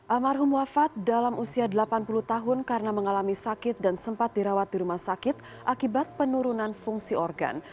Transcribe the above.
almarhum wafat dalam usia delapan puluh tahun karena mengalami sakit dan sempat dirawat di rumah sakit akibat penurunan fungsi organ